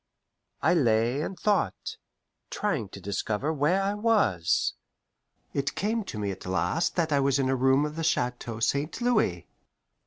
I lay and thought, trying to discover where I was. It came to me at last that I was in a room of the Chateau St. Louis.